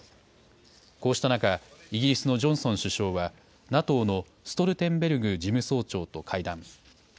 こうした中、イギリスのジョンソン首相は、ＮＡＴＯのストルテンベルグ事務総長と会談。